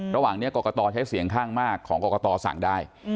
ระหว่างนี้กรกตใช้เสียงข้างมากของกรกตสั่งได้